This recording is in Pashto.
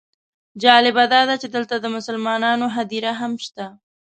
جالبه داده چې دلته د مسلمانانو هدیره هم شته.